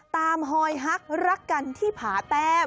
ตามหอยหักรักกันที่ผาแต้ม